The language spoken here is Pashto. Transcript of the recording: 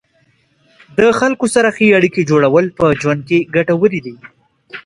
د خلکو سره ښې اړیکې جوړول په ژوند کې ګټورې دي.